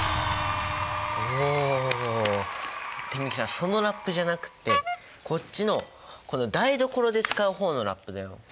美樹さんそのラップじゃなくってこっちのこの台所で使う方のラップだよ。